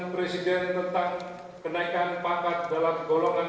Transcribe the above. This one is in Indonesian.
pertemuan tahun dua ribu empat belas dua ribu sembilan belas